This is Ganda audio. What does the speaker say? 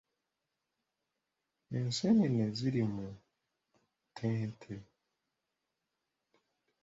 Enseenene ziri mu tteete.